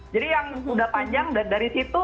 jadi yang udah panjang dan dari situ